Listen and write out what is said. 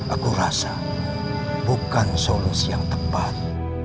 aku rasa bukan solusi yang tepat